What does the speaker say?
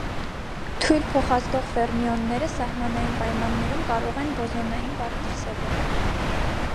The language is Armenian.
Թույլ փոխազդող ֆերմիոնները սահմանային պայմաններում կարող են բոզոնային վարք դրսևորել։